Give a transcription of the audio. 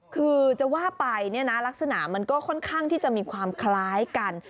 คือจะว่าไปเนี่ยนะลักษณะมันก็ค่อนข้างที่จะมีความคล้ายกัน